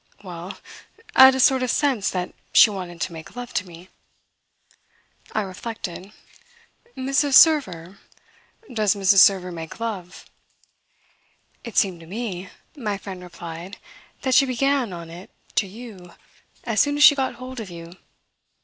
"Well, at a sort of sense that she wanted to make love to me." I reflected. "Mrs. Server? Does Mrs. Server make love?" "It seemed to me," my friend replied, "that she began on it to you as soon as she got hold of you.